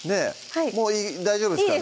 もういい大丈夫ですかね？